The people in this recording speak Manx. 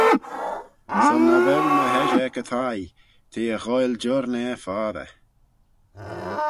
Son cha vel my heshey ec y thie, t'eh er ghoaill jurnah foddey.